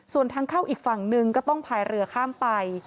ส่วนทางเข้าอีกฝั่งหนึ่งก็ต้องพายเรือข้ามไป